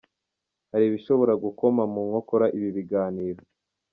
Hari ibishobora gukoma mu nkokora ibi biganiro.